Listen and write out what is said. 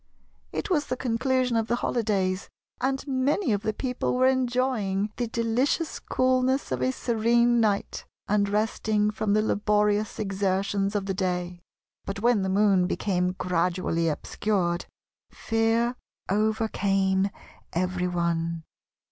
It was the conclusion of the holidays, and many of the people were enjoying the delicious coolness of a serene night, and resting from the laborious exertions of the day; but when the Moon became gradually obscured, fear overcame every one.